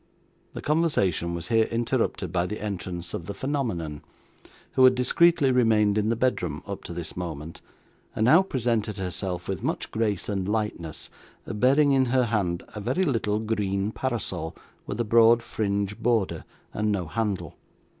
The conversation was here interrupted by the entrance of the phenomenon, who had discreetly remained in the bedroom up to this moment, and now presented herself, with much grace and lightness, bearing in her hand a very little green parasol with a broad fringe border, and no handle.